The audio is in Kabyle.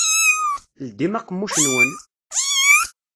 Ldim aqemmuc-nwen!